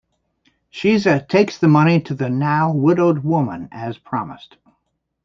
Shiza takes the money to the now-widowed woman as promised.